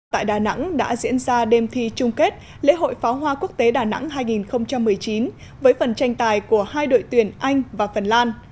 tại đà nẵng đã diễn ra đêm thi chung kết lễ hội pháo hoa quốc tế đà nẵng hai nghìn một mươi chín với phần tranh tài của hai đội tuyển anh và phần lan